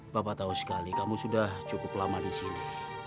bapak tahu sekali kamu sudah cukup lama di sini